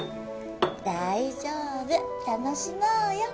大丈夫楽しもうよ。